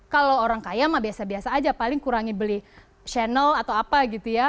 kalau orang kaya mah biasa biasa aja paling kurangi beli channel atau apa gitu ya